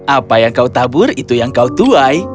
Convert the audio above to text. apa yang kau tabur itu yang kau tuai